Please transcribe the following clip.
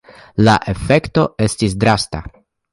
La efekto estis drasta.